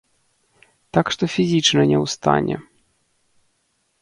Так што фізічна не ў стане.